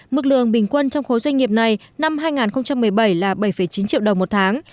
mức lương bình quân trong khối doanh nghiệp này năm hai nghìn một mươi bảy là bảy chín triệu đồng một tháng